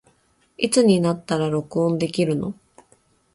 いつになったら録音できるの